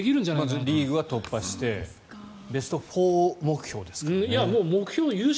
まずリーグは突破してベスト４目標ですから。